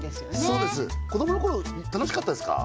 そうです子どもの頃楽しかったですか？